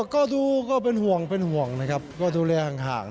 ก็ดูก็เป็นห่วงนะครับก็ดูแลห่าง